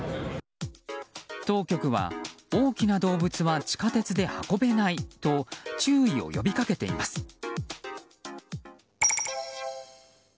当局は大きな動物は地下鉄で運べないと注意を呼びかけています。